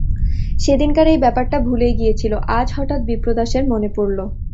সেদিনকার এই ব্যাপারটা ভুলেই গিয়েছিল, আজ হঠাৎ বিপ্রদাসের মনে পড়ল।